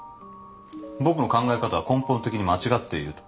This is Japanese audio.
僕の考え方は根本的に間違っていると。